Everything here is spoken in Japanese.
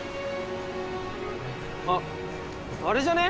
あっあれじゃね？